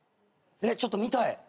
ちょっと見たい。